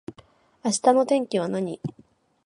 明日の天気は何